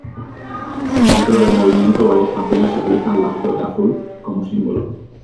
Dentro del movimiento varias canciones utilizan la "Flor azul" como símbolo.